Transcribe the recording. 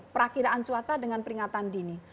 perakiraan cuaca dengan peringatan dini